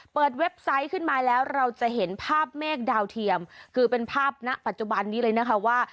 เว็บไซต์ขึ้นมาแล้วเราจะเห็นภาพเมฆดาวเทียมคือเป็นภาพณปัจจุบันนี้เลยนะคะว่า